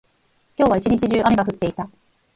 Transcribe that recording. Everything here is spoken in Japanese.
今日は一日中、雨が降っていた。